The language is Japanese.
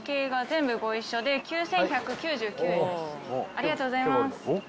ありがとうございます。